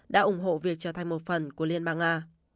đã ủng hộ việc trở thành một phần của liên bang nga